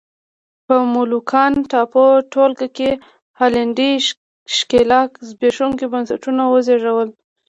په مولوکان ټاپو ټولګه کې هالنډي ښکېلاک زبېښونکي بنسټونه وزېږول.